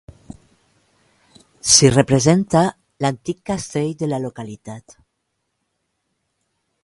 S'hi representa l'antic castell de la localitat.